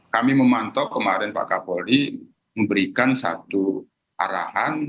kami memantau kemarin pak kapolri memberikan satu arahan